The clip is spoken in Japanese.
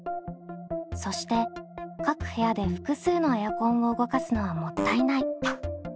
そして各部屋で複数のエアコンを動かすのはもったいない。